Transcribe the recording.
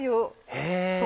へぇ。